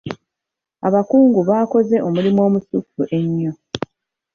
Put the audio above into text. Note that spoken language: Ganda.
Abakungu baakoze omulimu omusufu ennyo.